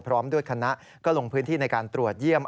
พร้อมด้วยคณะก็ลงพื้นที่ในการตรวจเยี่ยม